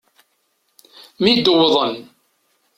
Mi d-wwḍen.